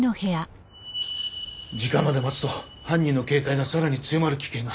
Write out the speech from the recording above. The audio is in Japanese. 時間まで待つと犯人の警戒がさらに強まる危険が。